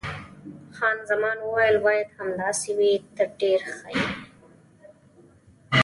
خان زمان وویل: باید همداسې وي، ته ډېر ښه یې.